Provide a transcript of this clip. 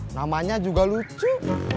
namanya juga lucu